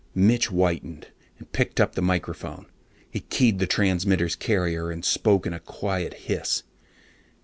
Mitch whitened and picked up the microphone. He keyed the transmitter's carrier and spoke in a quiet hiss.